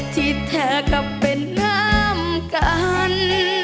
ที่แท้กับเป็นน้ำกัน